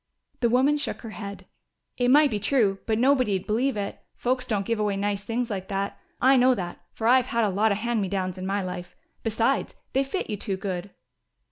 The woman shook her head. "It might be true, but nobody'd believe it. Folks don't give away nice things like that. I know that, for I've had a lot of 'hand me downs' in my life.... Besides, they fit you too good."